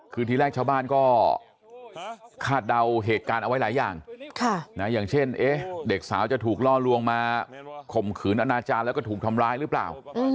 คือทีแรกชาวบ้านก็คาดเดาเหตุการณ์เอาไว้หลายอย่างอย่างเช่นเด็กสาวจะถูกล่อลวงมาข่มขืนอนาจารย์แล้วก็ถูกทำร้ายหรือเปล่า